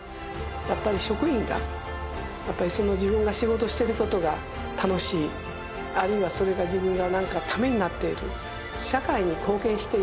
やっぱり職員がやっぱり一緒の自分が仕事をしてる事が楽しいあるいはそれが自分がためになっている社会に貢献している。